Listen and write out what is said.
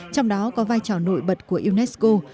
trong đó có vai trò nội bật của unesco